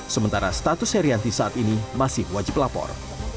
sementara status herianti saat ini masih wajib lapor